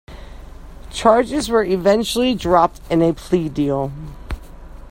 Charges were eventually dropped in a plea deal.